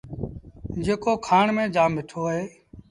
جيڪو کآڻ ميݩ جآم مٺو اهي۔